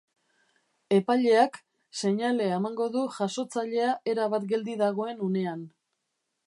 Epaileak, seinalea emango du jasotzailea, erabat geldi dagoen unean.